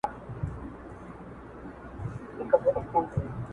ته خبريې دلته ښخ ټول انسانان دي-